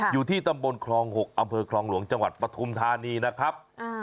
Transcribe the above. อยู่ที่ตำบลคลอง๖อำเภอคลองหลวงจังหวัดปฐุมธานีนะครับ